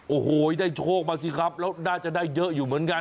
โอ้โหได้โชคมาสิครับแล้วน่าจะได้เยอะอยู่เหมือนกัน